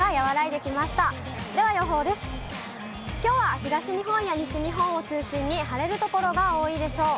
きょうは東日本や西日本を中心に、晴れる所が多いでしょう。